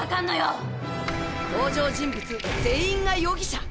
登場人物、全員が容疑者。